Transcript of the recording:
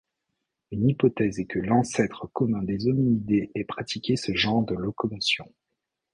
Une hypothèse est que l'ancêtre commun des hominidés ait pratiqué ce genre de locomotion.